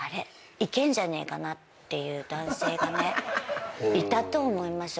いけんじゃねえかな」っていう男性がねいたと思いますよ。